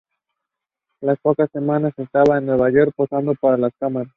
A las pocas semanas estaba en Nueva York posando para las cámaras.